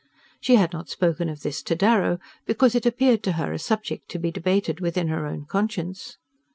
She had not spoken of this to Darrow because it appeared to her a subject to be debated within her own conscience.